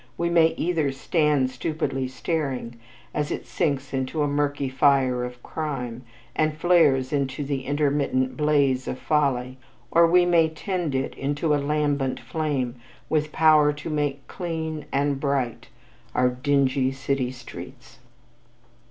We may either stand stupidly staring as it sinks into a murky fire of crime and flares into the intermittent blaze of folly or we may tend it into a lambent flame with power to make clean and bright our dingy city streets.